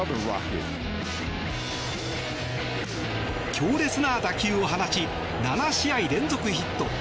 強烈な打球を放ち７試合連続ヒット。